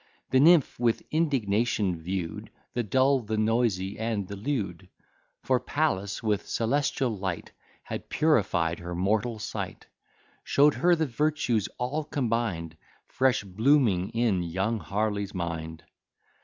The nymph with indignation view'd The dull, the noisy, and the lewd; For Pallas, with celestial light, Had purified her mortal sight; Show'd her the virtues all combined, Fresh blooming, in young Harley's mind.